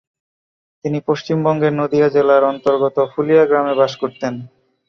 তিনি পশ্চিমবঙ্গের নদিয়া জেলার অন্তর্গত ফুলিয়া গ্রামে বাস করতেন।